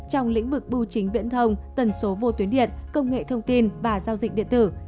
trong lĩnh vực bưu chính viễn thông tần số vô tuyến điện công nghệ thông tin và giao dịch điện tử